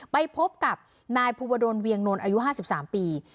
ไปพบกับนายภูวดลเวียงนนท์อายุ๕๓ปี